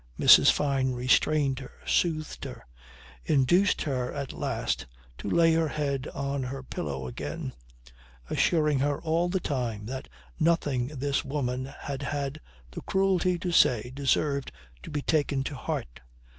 Mrs. Fyne restrained her, soothed her, induced her at last to lay her head on her pillow again, assuring her all the time that nothing this woman had had the cruelty to say deserved to be taken to heart.